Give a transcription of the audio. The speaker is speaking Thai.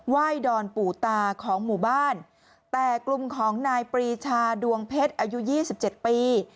ไหว้ดอนปู่ตาของหมู่บ้านแต่กลุ่มของนายปรีชาดวงเพชรอายุยี่สิบเจ็ดปี